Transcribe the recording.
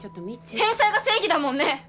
返済が正義だもんね！